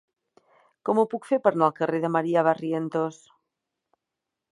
Com ho puc fer per anar al carrer de Maria Barrientos?